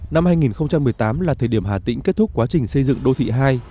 năm hai nghìn một mươi tám là thời điểm hà tĩnh kết thúc quá trình xây dựng đô thị hai